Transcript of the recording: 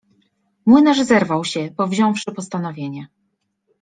Młynarz zerwał się, powziąwszy postanowienie.